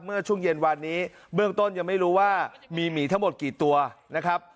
เมื่อช่วงเย็นวานนี้เบื้องต้นยังไม่รู้ว่ามีหมีทั้งหมดกี่ตัวนะครับ